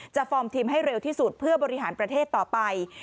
ฟอร์มทีมให้เร็วที่สุดเพื่อบริหารประเทศต่อไป